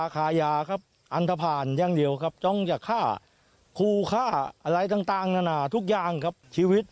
จะตายก่อนหรือยังไง